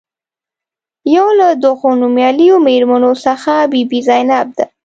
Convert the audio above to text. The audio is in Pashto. یو له دغو نومیالیو میرمنو څخه بي بي زینب ده.